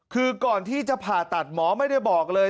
คือก่อนที่จะผ่าตัดหมอไม่ได้บอกเลย